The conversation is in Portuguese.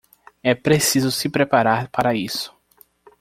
É preciso se preparar para isso.